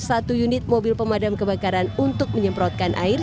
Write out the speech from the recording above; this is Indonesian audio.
satu unit mobil pemadam kebakaran untuk menyemprotkan air